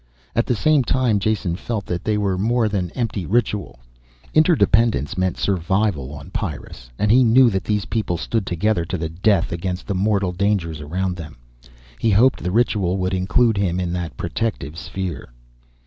At the same time, Jason felt that they were more than empty ritual. Interdependence meant survival on Pyrrus, and he knew that these people stood together to the death against the mortal dangers around them. He hoped the ritual would include him in that protective sphere.